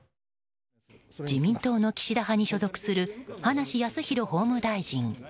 自民党の岸田派に所属する葉梨康弘法務大臣。